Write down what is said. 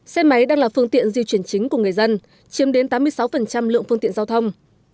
xe máy đang là phương tiện di chuyển chính của người dân chiếm đến tám mươi sáu lượng phương tiện giao thông